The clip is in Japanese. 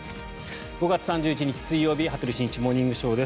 ５月３１日、水曜日「羽鳥慎一モーニングショー」。